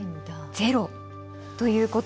ゼロということ。